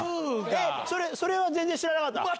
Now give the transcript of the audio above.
それは全然知らなかった？